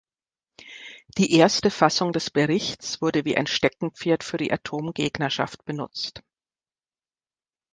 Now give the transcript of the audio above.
Die erste Fassung des Berichts wurde wie ein Steckenpferd für die Atomgegnerschaft benutzt.